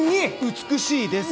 美しいです。